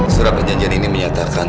surat perjanjian ini menyatakan